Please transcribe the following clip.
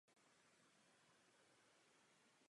Leží v okrese Butler County.